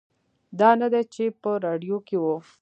دا نه دی چې په راډیو کې و.